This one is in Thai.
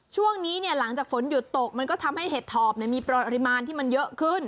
ช่วงนี้เนี่ยหลังจากฝนหยุดตกมันก็ทำให้เห็ดถอบมีปริมาณที่มันเยอะขึ้น